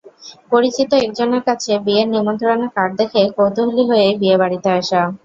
পরিচিত একজনের কাছে বিয়ের নিমন্ত্রণের কার্ড দেখে কৌতূহলী হয়েই বিয়েবাড়িতে আসা।